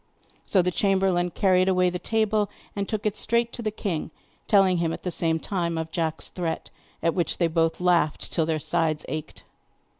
So the chamberlain carried away the table and took it straight to the king, telling him at the same time of Jack's threat, at which they both laughed till their sides ached.